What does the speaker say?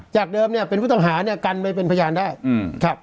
จากเดิมเนี่ยเป็นผู้ต้องหาเนี่ยกันไปเป็นพยานได้อืมครับ